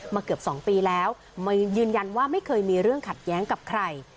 เกือบ๒ปีแล้วยืนยันว่าไม่เคยมีเรื่องขัดแย้งกับใคร